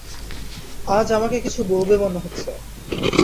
আজ আমাকে কিছু বলবে মনে হচ্ছে?